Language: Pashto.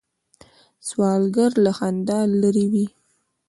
سوالګر له خندا لرې وي